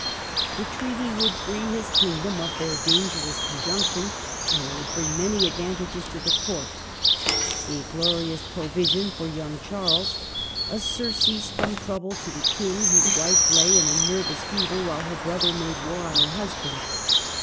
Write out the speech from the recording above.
The treaty would free his king dom of their dangerous conjunction, and it would bring many advantages to the Court, — a glorious provision for young Charles, a sur cease from trouble to the King, whose wife lay in a nervous fever w^hile her brother made war on her husband.